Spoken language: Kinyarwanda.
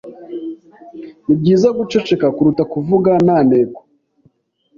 Nibyiza guceceka, kuruta kuvuga nta ntego.